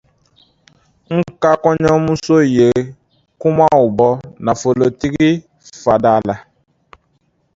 N ka kɔɲɔmuso ye kumaw bɔ nafolotigi fa da la.